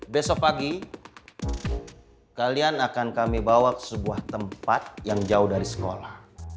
besok pagi kalian akan kami bawa ke sebuah tempat yang jauh dari sekolah